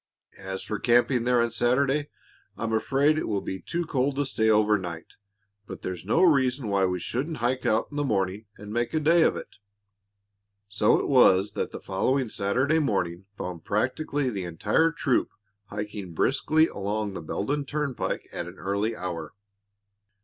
As for camping there on Saturday, I'm afraid it will be too cold to stay overnight, but there's no reason why we shouldn't hike out in the morning and make a day of it." So it was that the following Saturday morning found practically the entire troop hiking briskly along the Beldon Turnpike at an early hour.